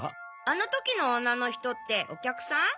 あの時の女の人ってお客さん？